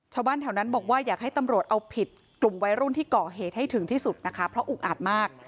ชาวบ้านแถวนั้นบอกว่าอยากให้ตำรวจเอาผิดกลุ่มวัยรุ่นที่ก่อเหตุให้ถึงที่สุดนะคะเพราะอุกอาจมาก